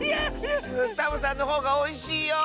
サボさんのほうがおいしいよスイ